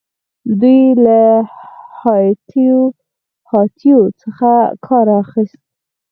دوی له هاتیو څخه کار اخیست